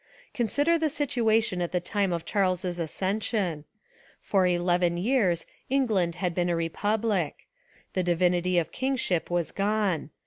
Consider the situation at the time of Charles's acces sion. For eleven years England had been a republic. The divinity of kingship was gone.